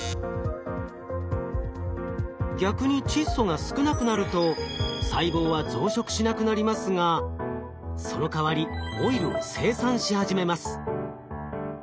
逆に窒素が少なくなると細胞は増殖しなくなりますがそのかわりオイルを生産し始めます。